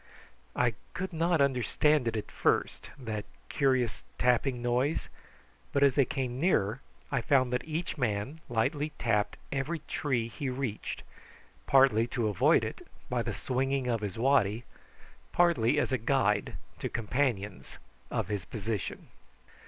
I could not understand it at first, that curious tapping noise; but as they came nearer I found that each man lightly tapped every tree he reached, partly to avoid it, by the swinging of his waddy, partly as a guide to companions of his position.